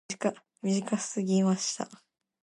He also guest starred on "Angel".